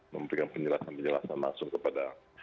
memberikan penjelasan penjelasan langsung kepada